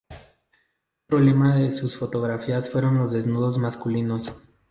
Otro tema de sus fotografías fueron los desnudos masculinos.